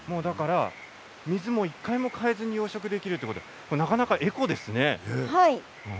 水を１回も替えずに養殖できるこれはなかなかエコですね。